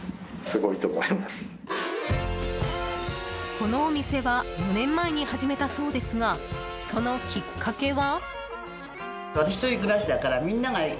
このお店は４年前に始めたそうですがそのきっかけは？